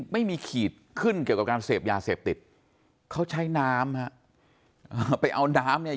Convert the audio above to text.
ไม่มีขีดขึ้นเกี่ยวกับการเสพยาเสพติดเขาใช้น้ำฮะอ่าไปเอาน้ำเนี่ย